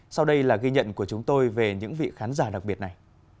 sau đây là ghi nhận của chúng tôi về những vị khán giả đặc biệt này